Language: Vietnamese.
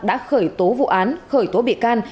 đã khởi tố vụ án khởi tố bị can